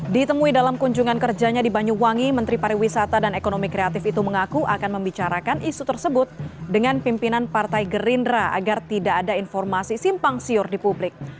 ditemui dalam kunjungan kerjanya di banyuwangi menteri pariwisata dan ekonomi kreatif itu mengaku akan membicarakan isu tersebut dengan pimpinan partai gerindra agar tidak ada informasi simpang siur di publik